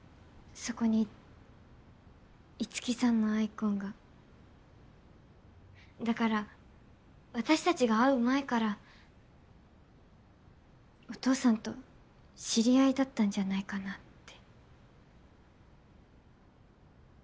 そこに樹さんのアイコンがだから私たちが会う前からお父さんと知り合いだったんじゃないかなって。